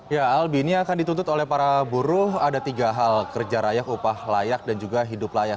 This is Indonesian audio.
ya albi ini akan dituntut oleh para buruh ada tiga hal kerja layak upah layak dan juga hidup layak